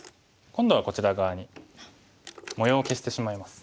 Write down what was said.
今度はこちら側に模様を消してしまいます。